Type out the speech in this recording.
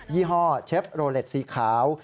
ี่ห้อเชฟโรเล็ตสีขาว